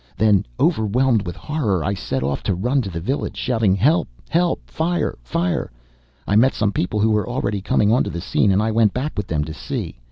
Then, overwhelmed with horror, I set off to run to the village, shouting: "Help! help! fire! fire!" I met some people who were already coming onto the scene, and I went back with them to see!